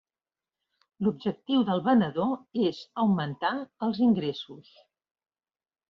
L'objectiu del venedor és augmentar els ingressos.